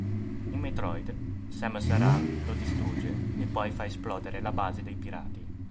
In "Metroid", Samus Aran lo distrugge e poi fa esplodere la base dei Pirati.